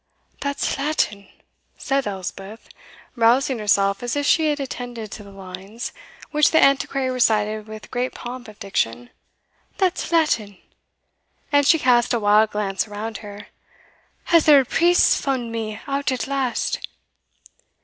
"That's Latin!" said Elspeth, rousing herself as if she attended to the lines, which the Antiquary recited with great pomp of diction "that's Latin!" and she cast a wild glance around her "Has there a priest fund me out at last?"